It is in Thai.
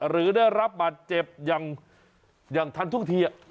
หรือได้รับบาดเจ็บอย่างทันท่วงที